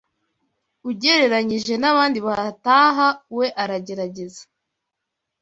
ugereranije n’abandi bahataha we aragerageza